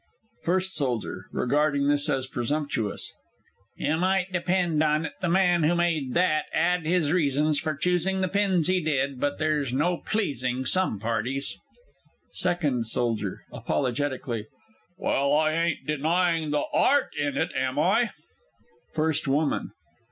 FIRST S. (regarding this as presumptuous). You may depend on it the man who made that 'ad his reasons for choosing the pins he did but there's no pleasing some parties! SECOND S. (apologetically). Well, I ain't denying the Art in it, am I? FIRST WOMAN.